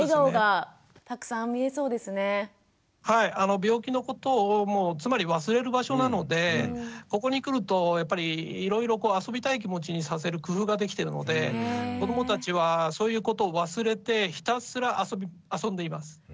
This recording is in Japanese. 病気のことをもうつまり忘れる場所なのでここに来るとやっぱりいろいろ遊びたい気持ちにさせる工夫ができてるので子どもたちはそういうことを忘れてひたすら遊んでいます。